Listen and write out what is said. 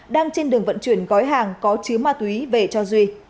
đang trên đường vận chuyển gói hàng có chứa ma túy về cho duy